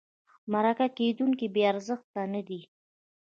مرکه کېدونکی بې ارزښته نه دی.